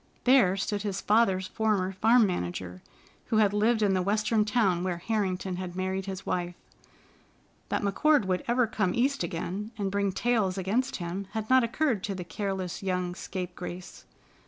There stood his father's former farm manager, who had lived in the Western town where Harrington had married his wife. That McCord would ever come East again and bring back tales against him had not occurred to the careless young scapegrace.